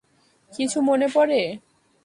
কিছু মনে পড়ে?